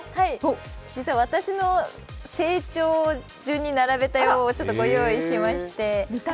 実は私の成長順に並べたよをご用意しまして。